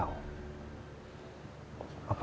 aku mau tanya sama elsa